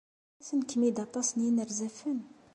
Ttasen-kem-id aṭas n yinerzafen?